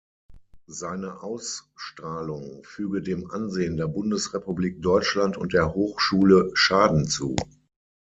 Seine Ausstrahlung füge dem Ansehen der Bundesrepublik Deutschland und der Hochschule Schaden zu.